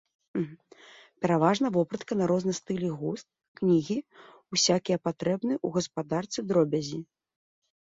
Пераважна вопратка на розны стыль і густ, кнігі, усякія патрэбныя ў гаспадарцы дробязі.